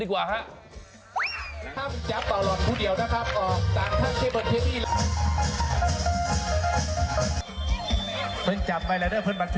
ไปเกี่ยวน้ำพันธุ์